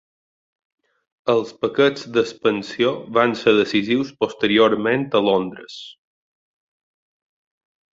Els paquets d"expansió van ser decisius posteriorment a Londres.